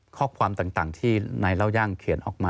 ข้อความต่างที่นายเล่าย่างเขียนออกมา